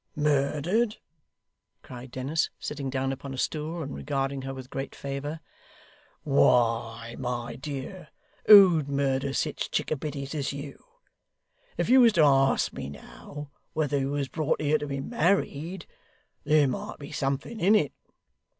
'Murdered!' cried Dennis, sitting down upon a stool, and regarding her with great favour. 'Why, my dear, who'd murder sich chickabiddies as you? If you was to ask me, now, whether you was brought here to be married, there might be something in it.